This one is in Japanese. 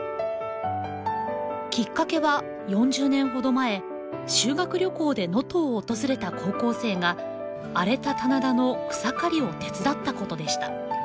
きっかけは４０年ほど前修学旅行で能登を訪れた高校生が荒れた棚田の草刈りを手伝ったことでした。